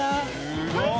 すごい！